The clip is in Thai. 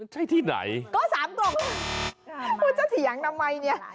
ใช่ที่ไหนก็๓กล่องคุณจะเถียงทำไมเนี่ย